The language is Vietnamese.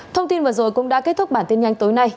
thông tin vừa rồi cũng đã kết thúc bản tin nhanh tối nay